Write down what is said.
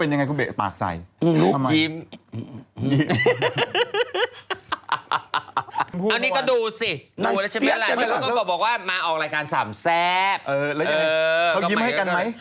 เออเขายิ้มให้กันไหม